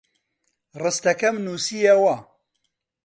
ڕستەکەم نووسییەوە.